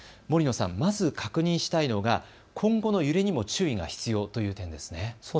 森野さん、まず確認したいのが今後の揺れにも注意が必要という点ですね。